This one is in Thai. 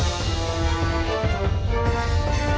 สวัสดีครับ